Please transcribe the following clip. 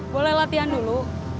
boleh latihan dulu